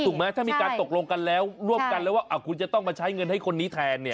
ถ้ามีการตกลงกันแล้วร่วมกันแล้วว่าคุณจะต้องมาใช้เงินให้คนนี้แทนเนี่ย